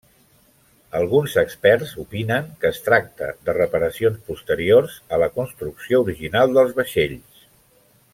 Alguns experts opinen que es tracta de reparacions posteriors a la construcció original dels vaixells.